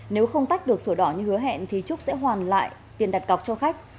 nếu không tách được sổ đỏ như hứa hẹn thì trúc sẽ hoàn lại tiền đặt cọc cho khách